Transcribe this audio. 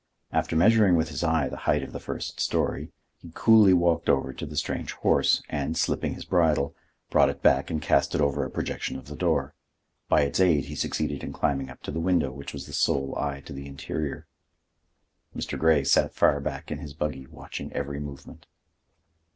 After measuring with his eye the height of the first story, he coolly walked over to the strange horse, and, slipping his bridle, brought it back and cast it over a projection of the door; by its aid he succeeded in climbing up to the window, which was the sole eye to the interior. Mr. Grey sat far back in his buggy, watching every movement.